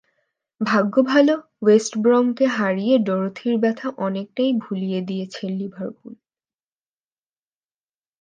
ভাগ্য ভালো, ওয়েস্ট ব্রমকে হারিয়ে ডরোথির ব্যথা অনেকটাই ভুলিয়ে দিয়েছে লিভারপুল।